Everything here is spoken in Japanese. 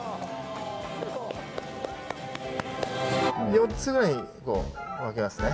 ４つぐらいに分けますね。